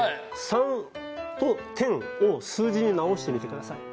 「さん」と「天」を数字に直してみてください